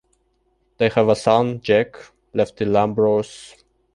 They have a son, Jack "Lefty" Lambros.